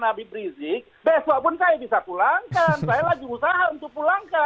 saya lagi usaha untuk pulangkan